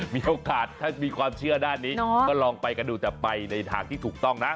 มีโอกาสถ้ามีความเชื่อด้านนี้ก็ลองไปกันดูแต่ไปในทางที่ถูกต้องนะ